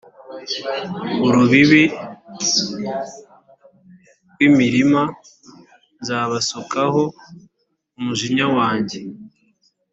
urubibi rw imirima nzabasukaho umujinya wanjye